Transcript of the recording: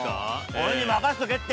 俺に任しとけって！